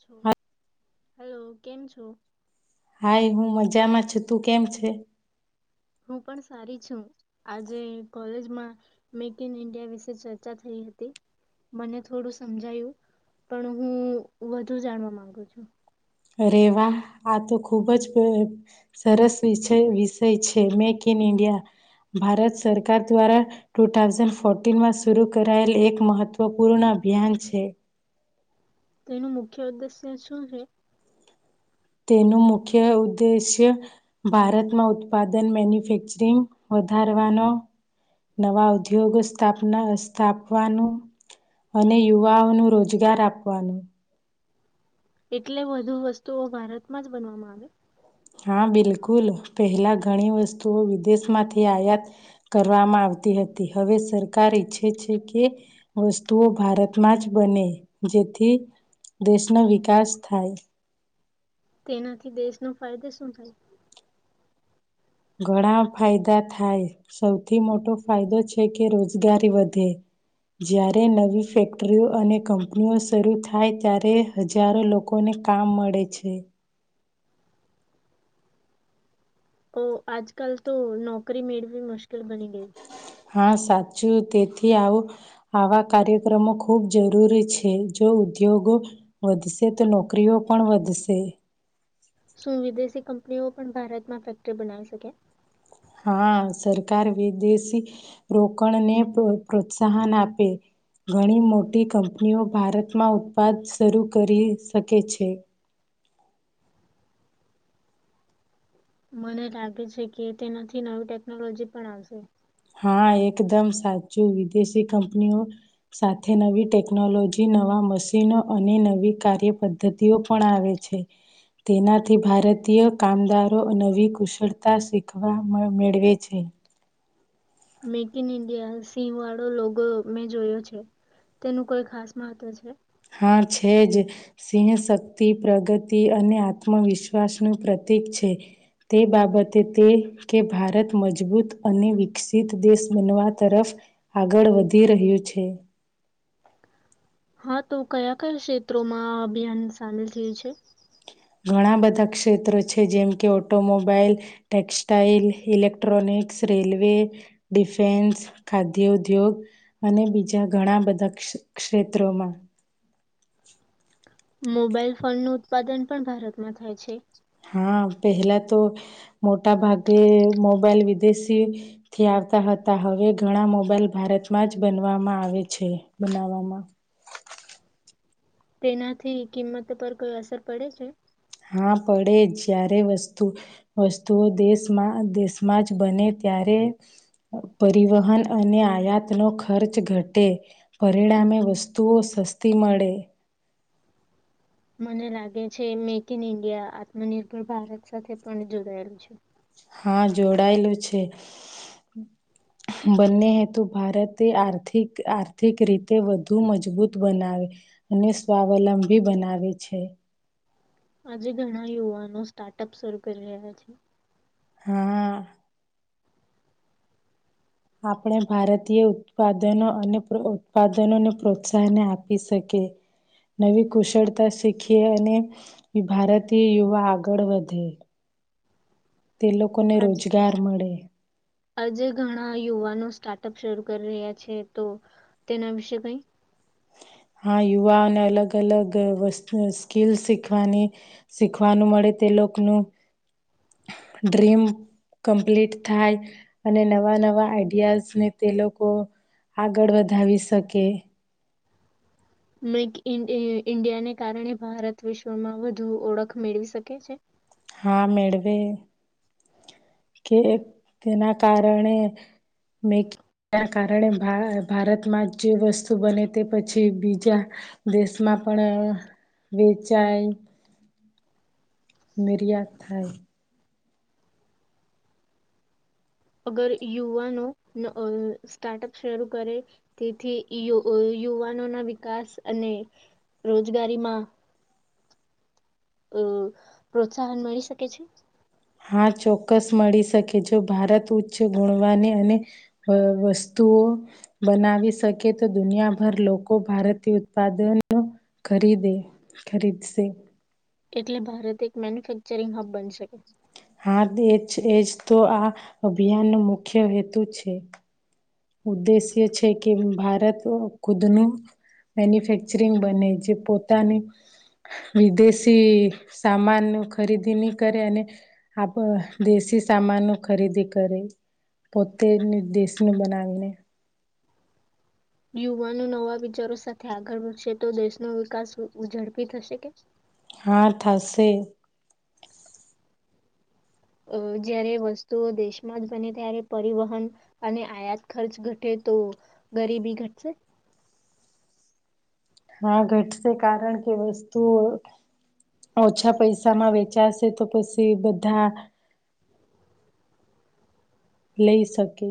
જો. હા હેલ, કેમ છો? હાઈ, હું મજામાં છું. તું કેમ છે? હું પણ સારી છું. આજે કોલેજમાં મેક ઇન ઇન્ડિયા વિશે ચર્ચા થઈ હતી. મને થોડું સમજાયું પણ હું વધુ જાણવા માંગુ છું. અરે વા, આ તો ખૂબ જ સરસ વિ વિષય છે મેક ઇન ઇન્ડિયા. ભારત સરકાર દ્વારા ટુ થાઉઝન ફોર્ટીનમાં શરૂ કરાયેલ એક મહત્વપૂર્ણ અભિયાન છે. તો એનું મુખ્ય ઉદ્દેશ્ય શું શું છે? તેનું મુખ્ય ઉદ્દેશ્ય ભારતમાં ઉત્પાદન મેન્યુફેક્ચરિંગ વધારવાનો, નવા ઉદ્યોગ સ્થાપના સ્થાપવાનું અને યુવાઓનું રોજગાર આપવાનું. એટલે વધુ વસ્તુઓ ભારતમાં જ બનવામાં આવે. હા બિલકુલ, પહેલા ઘણી વસ્તુઓ વિદેશમાંથી આયાત કરવામાં આવતી હતી. હવે સરકાર ઈચ્છે છે કે વસ્તુઓ ભારતમાં જ બને જેથી દેશનો વિકાસ થાય. તેનાથી દેશનો ફાયદો શું થાય? ઘણા ફાયદા થાય, સૌથી મોટો ફાયદો છે કે રોજગારી વધે. જ્યારે નવી ફેક્ટરીઓ અને કંપનીઓ શરૂ થાય ત્યારે હજારો લોકોને કામ મળે છે. ઓ આજ કલ તો નોકરી મેળવી મુશ્કલ બની ગઈ. હા સાચું તેથી આવું આવા કાર્યક્રમો ખૂબ જરૂરી છે. જો ઉદ્યોગો વધશે તો નોકરીઓ પણ વધશે. શું વિદેશી કંપનીઓ પણ ભારતમાં ફેક્ટરી બનાવી શકે? હા સરકાર વિદેશી રોકાણને પ્રો પ્રોત્સાહન આપે ઘણી મોટી કંપનીઓ ભારતમાં ઉત્પાદ શરૂ કરી શકે છે. મને લાગે છે કે તેનાથી નવી ટેકનોલોજી પણ આવશે. હા એકદમ સાચું વિદેશી કંપનીઓ સાથે નવી ટેકનોલોજી નવા મશીનો અને નવી કાર્ય પદ્ધતિઓ પણ આવે છે. તેનાથી ભારતીય કામદારો નવી કુશળતા શીખવા મેળવે છે. મેક ઇન ઇન્ડિયા સિંહ વાળો લોગો મેં જોયો છે તેનું કોઈ ખાસ મહત્વ છે. હા છે જ સિંહ શક્તિ પ્રગતિ અને આત્મવિશ્વાસનું પ્રતીક છે તે બાબતે તે કે ભારત મજબૂત અને વિકસિત દેશ બનવા તરફ આગળ વધી રહ્યું છે. હા તો કયા કયા ક્ષેત્રોમાં આ અભિયાન સામેલ થયું છે. ઘણા બધા ક્ષેત્રો છે જેમ કે automobile textile electronics railway defence ખાદ્ય ઉદ્યોગ અને બીજા ઘણા બધા ક્ષે ક્ષેત્રોમાં. મોબાઈલ ફોન નું ઉત્પાદન પણ ભારતમાં થાય છે. હા પહેલા તો મોટા ભાગે મોબાઈલ વિદેશીથી આવતા હતા હવે ઘણા મોબાઈલ ભારતમાં જ બનવામાં આવે છે બનાવામાં તેનાથી કિંમત પર કોઈ અસર પડે છે. હા પડે જ જ્યારે વસ્તુ વસ્તુઓ દેશમાં દેશમાં જ બને ત્યારે પરિવહન અને આયાતનો ખર્ચ ઘટે પરિણામે વસ્તુઓ સસ્તી મળે. મને લાગે છે મેક ઇન ઇન્ડિયા આત્મનિર્ભર ભારત સાથે પણ જોડાયેલું છે. હા જોડાયેલું છે બંને હેતુ ભારતે આર્થિક આર્થિક રીતે વધુ મજબૂત બનાવે અને સ્વાવલંબી બનાવે છે. આજે ઘણા યુવાનો સ્ટાર્ટઅપ શરૂ કરી રહ્યા છે. હા. આપણે ભારતીય ઉત્પાદનો અને ઉત્પાદનોને પ્રોત્સાહન આપી શકીએ નવી કુશળતા શીખીએ અને ભારતીય યુવા આગળ વધે. તે લોકોને આજ રોજગાર મળે. આજે ઘણા યુવાનો સ્ટાર્ટઅપ શરૂ કરી રહ્યા છે તો તેના વિશે કઈ હા યુવાઓને અલગ અલગ વસ્તુ સ્કિલ શીખવાની શીખવાનું મળે તે લોકોનું ડ્રીમ કમ્પ્લીટ થાય અને નવા નવા આઈડિયાઝને તે લોકો આગળ વધાવી શકે. મેક ઇન ઈન્ડિયાને કારણે ભારત વિશ્વમાં વધુ ઓળખ મેળવી શકે છે. હા મેળવે. કે તેના કારણે મેક ના કારણે ભારતમાં જે વસ્તુ બને તે પછી બીજા દેશમાં પણ વેચાય નિર્યાત થાય. અગર યુવાનો આ સ્ટાર્ટઅપ શરૂ કરે તેથી યુવાનો ના વિકાસ અને રોજગારીમાં અ પ્રોત્સાહન મળી શકે છે. હા ચોક્કસ મળી શકે જો ભારત ઉચ્ચ ગુણવાની અને વસ્તુઓ બનાવી શકે તો દુનિયાભર લોકો ભારતી ઉત્પાદનો ખરીદે ખરીદશે. એટલે ભારત એક મેન્યુફેક્ચરિંગ હબ બનશે. હાર એચ એચ તો આ અભિયાનનો મુખ્ય હેતુ છે. ઉદ્દેશ્ય છે કે ભારત ખુદનું મેન્યુફેક્ચરિંગ બને જે પોતાની વિદેશી સામાન ન ખરીદી નહી કરે અને આપ દેશી સામાન ન ખરીદી કરે પોતેની દેશનું બના એને યુવાનો નવા વિચારો સાથે આગળ વધશે તો દેશનો વિકાસ ઉ ઝડપી થશે કે. હા થશે. અ જયારે વસ્તુઓ દેશમાં જ બને ત્યારે પરિવહન અને આયાત ખર્ચ ઘટે તો ગરીબી ઘટશે? હા ઘટશે કારણ કે વસ્તુ ઓછા પૈસામાં વેચાશે તો પછી બધા લઈ શકે.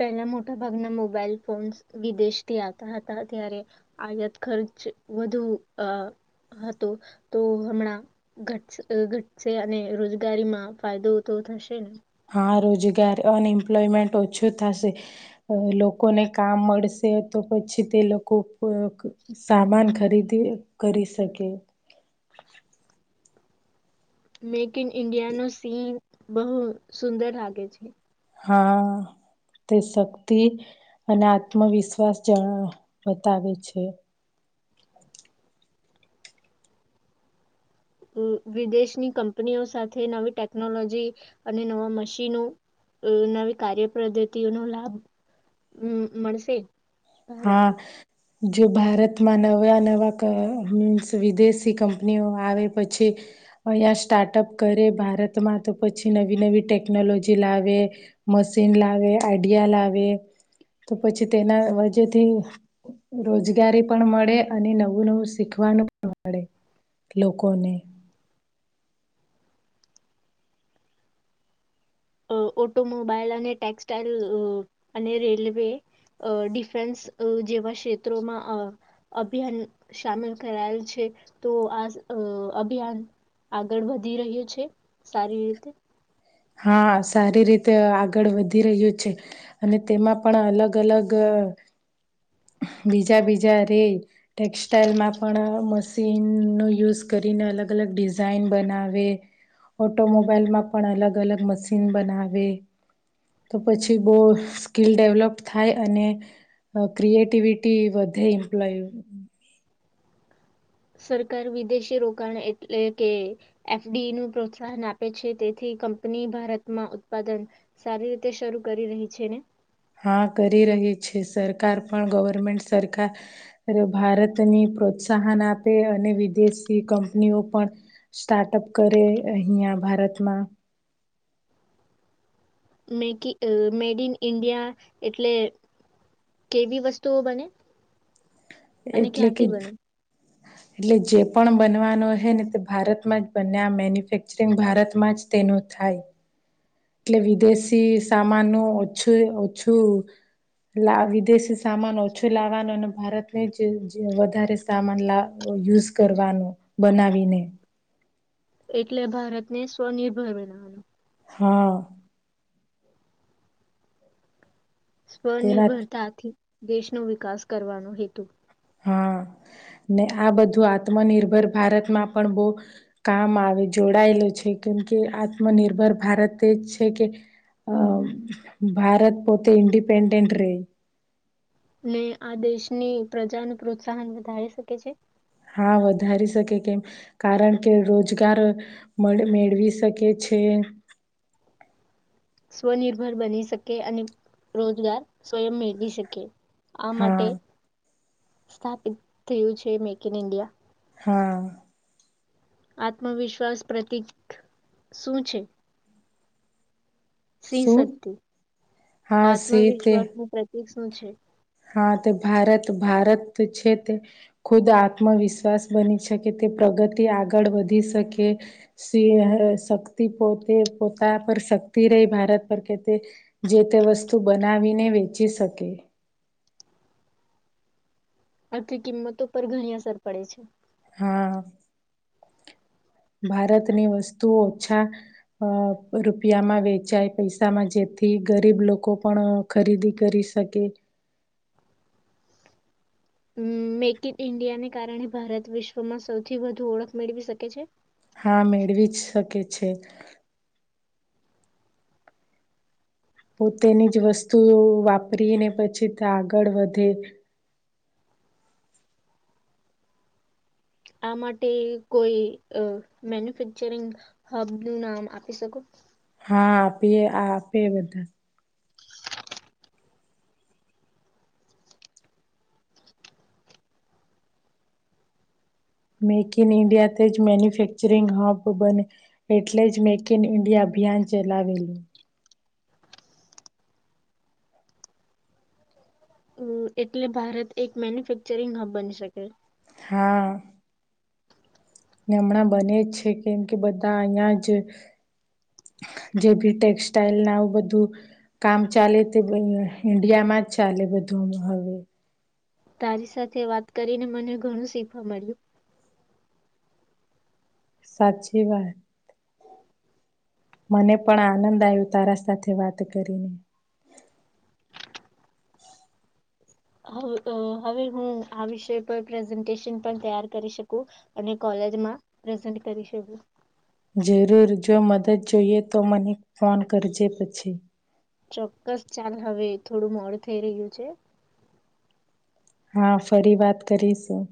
પહેલા મોટા ભાગના મોબાઈલ ફોન્સ વિદેશથી આવતા હતા ત્યારે આયાત ખર્ચ વધુ હતો તો હમણાં ઘટ ઘટશે અને રોજગારીમાં ફાયદો તો થશે ને. હા રોજગાર અનએમ્પ્લોયમેન્ટ ઓછું થશે લોકોને કામ મળશે તો પછી તે લોકો સામાન ખરીદી કરી શકે. મેક ઇન ઇન્ડિયા નો સીન બહુ સુંદર લાગે છે. હા તે શક્તિ અને આત્મવિશ્વાસ જણ બતાવે છે. વિદેશની કંપનીઓ સાથે નવી ટેકનોલોજી અને નવા મશીનો નવી કાર્ય પદ્ધતિઓનો લાભ માં મળશે. ભારતને હા. જો ભારતમાં નવા નવા આ મીન્સ વિદેશી કંપનીઓ આવે પછી અહીંયા સ્ટાર્ટઅપ કરે ભારતમાં તો પછી નવી નવી ટેકનોલોજી લાવે મશીન લાવે આઈડિયા લાવે તો પછી તેના જેથી રોજગારી પણ મળે અને નવું નવું શીખવાનું પણ મળે લોકોને. અ ઓટોમોબાઈલ અને ટેક્સટાઈલ અને રેલવે આ ડિફેન્સ આ જેવા ક્ષેત્રોમાં આ અભિયાન સામેલ કરાયેલ છે તો આ આ અભિયાન આગળ વધી રહ્યું છે સારી રીતે. હા સારી રીતે આગળ વધી રહ્યું છે અને તેમાં પણ અલગ અલગ આ બીજા બીજા રે ટેક્સટાઈલમાં પણ મશીનનો યુઝ કરીને અલગ અલગ ડિઝાઇન બનાવે ઓટોમોબાઈલમાં પણ અલગ અલગ મશીન બનાવે તો પછી બહુ સ્કિલ ડેવલોપ થાય અને ક્રિએટિવિટી વધે ઇમ્પ્લાય સરકાર વિદેશી રોકાણ એટલે કે એફ ડી નું પ્રોત્સાહન આપે છે તેથી કંપની ભારતમાં ઉત્પાદન સારી રીતે શરૂ કરી રહી છે ને. હા કરી રહી છે સરકાર પણ ગવર્મેન્ટ સરકાર ભારતની પ્રોત્સાહન આપે અને વિદેશી કંપનીઓ પણ સ્ટાર્ટઅપ કરે અહંયા ભારતમાં. મે કી આ મેડ ઇન ઇન્ડિયા એટલે કેવી વસ્તુઓ બને. અને એટલે કે ક્યાંથી બને એટલે જે પણ બનવાનો હ ને તે ભારતમાં જ બને આ મેન્યુફેક્ચરિંગ ભારતમાં જ તેનું થાય. એટલે વિદેશી સામાન ઓછું ઓછું વિદેશી સામાન ઓછું લાવવાનું અને ભારતને જ વધારે સામાન લ યુઝ કરવાનો બનાવીને એટલે ભારતને સ્વનિર્ભર બનાવાનું હા તેના સ્વનિર્ભરતાથી દેશનો વિકાસ કરવાનો હેતુ હા ને આ બધું આત્મનિર્ભર ભારતમાં પણ બહુ કામ આવે જોડાયેલું છે કેમ કે આત્મનિર્ભર ભારત તેજ છે કે અ ભારત પોતે ઇન્ડિપેન્ડન્ટ રે ને આ દેશની પ્રજા ન પ્રોત્સાહન વધારી શકે છે. હા વધારી શકે કેમ કારણ કે રોજગાર મેળવી શકે છે. સ્વનિર્ભર બની શકે અને રોજગાર સ્વયં મેળવી શકે. આ હા માટે સ્થાપિત્યું છે મેક ઇન ઇન્ડિયા હા આત્મવિશ્વાસ પ્રતીક શું છે. સિં શું સક્તિ હા સે તે આત્મવિશ્વાસ નું પ્રતિક હમ છે. હા તે ભારત ભારત છે તે ખુદ આત્મવિશ્વાસ બની શકે તે પ્રગતિ આગળ વધી શકે શિ શક્તિ પોતે પોતા પર શક્તિ રહી ભારત પર કે તે જે તે વસ્તુ બનાવીને વેચી શકે આખી કિંમતો પર ઘણી અસર પડે છે. હા ભારતની વસ્તુ ઓછા અ રૂપિયામાં વેચાય પૈસામાં જેથી ગરીબ લોકો પણ ખરીદી કરી શકે મેક ઇન ઈન્ડિયાને કારણે ભારત વિશ્વમાં સૌથી વધુ ઓળખ મેળવી શકે છે. હા મેળવી જ શકે છે. પોતેની જ વસ્તુ વાપરી ને પછી આગળ વધે આ માટે કોઈ મેન્યુફેક્ચરિંગ હબ નું નામ આપી શકો. હા આપીએ આ આપે બધા મેક ઇન ઇન્ડિયા તે જ મેન્યુફેક્ચરિંગ હબ બને એટલે જ મેક ઇન ઇન્ડિયા અભિયાન ચલાવેલું હ એટલે ભારત એક મેન્યુફેક્ચરિંગ હબ બની શકે. હા ને હમણાં બને જ છે કેમ કે બધા અહિયાં જ જે ભી ટેક્સટાઈલ ના આવું બધું કામ ચાલે તે ઈન્ડિયામાં જ ચાલે બધું હવે તારી સાથે વાત કરીને મને ઘણું શીખવા મળ્યું. સાચી વાત મને પણ આનંદ આવ્યો તારા સાથે વાત કરીને. હ હવે હું આ વિષય પર પ્રેઝન્ટેશન પણ તૈયાર કરી શકું અને કોલેજમાં પ્રેઝન્ટ કરી શકું. જરૂર જો મદદ જોઈએ તો મને ફોન કરજે પછી. ચોક્કસ ચાલ હવે થોડું મોડ થઈ રહ્યું છે. હા ફરી વાત કરીશું.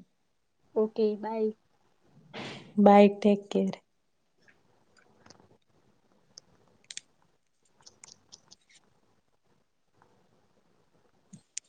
Okay bye bye take care